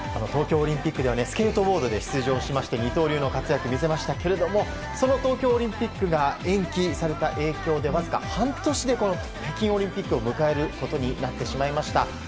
東京オリンピックではスケートボードで出場しまして二刀流の活躍を見せましたけれどもその東京オリンピックが延期された影響で、わずか半年で北京オリンピックを迎えることになってしまいました。